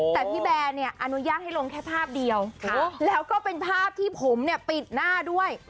แต่พี่แบร์เนี่ยอนุญาตให้ลงแค่ภาพเดียวแล้วก็เป็นภาพที่ผมเนี่ยปิดหน้าด้วย